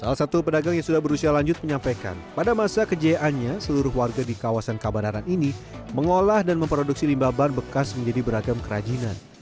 salah satu pedagang yang sudah berusia lanjut menyampaikan pada masa kejayaannya seluruh warga di kawasan kabanaran ini mengolah dan memproduksi limbah ban bekas menjadi beragam kerajinan